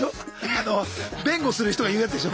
あの弁護する人が言うやつでしょ。